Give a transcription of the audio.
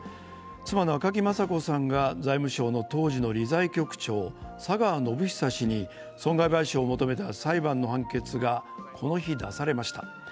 妻の赤木雅子さんが財務省の当時の理財局長・佐川宣寿氏に損害賠償を求めた裁判の判決が、この日出されました。